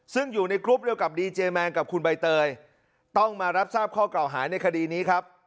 ซึ่งอยู่ในกรุ๊ปเดียวกับดีเจแมนกับคุณใบเตยต้องมารับทราบข้อเก่าหาในคดีนี้ครับ